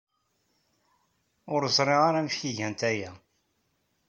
Ur ẓriɣ ara amek ay gant aya.